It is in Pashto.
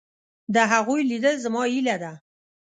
د هغوی لیدل زما هیله ده.